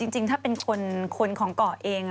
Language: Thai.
จริงถ้าเป็นคนของเกาะเอง